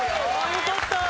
よかった！